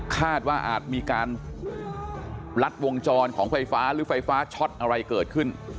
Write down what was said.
คาดว่าอาจมีการลัดวงจรของไฟฟ้าหรือไฟฟ้าช็อตอะไรเกิดขึ้น